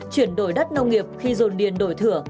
chuyển đổi đất nông nghiệp khi dồn điền đổi thửa